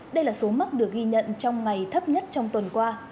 đây là số mắc được ghi nhận trong ngày thấp nhất trong tuần qua